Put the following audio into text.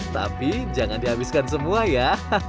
tapi jangan di habiskan semua ya